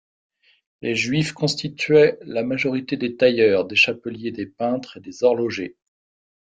Les Juifs constituaient la majorité des tailleurs, des chapeliers, des peintres et des horlogers.